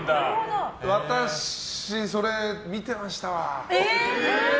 私、それ見てましたわ。